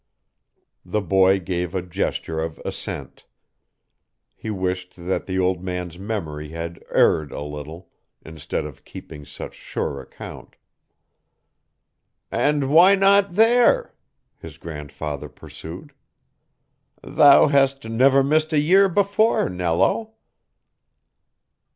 The boy gave a gesture of assent: he wished that the old man's memory had erred a little, instead of keeping such sure account. "And why not there?" his grandfather pursued. "Thou hast never missed a year before, Nello."